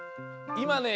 いまね